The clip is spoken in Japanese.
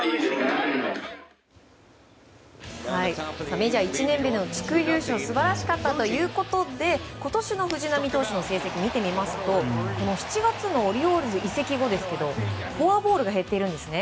メジャー１年目の地区優勝素晴らしかったということで今年の藤浪投手の成績を見てみますと７月のオリオールズ移籍後フォアボールが減っているんですね。